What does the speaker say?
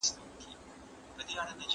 اوس هر څه بدل شوي او جګړه نشته.